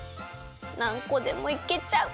なんこでもいけちゃう！